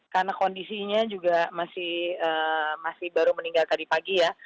karena kondisinya juga masih baru meninggal tadi pagi ya